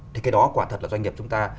thì cái đó quả thật là doanh nghiệp chúng ta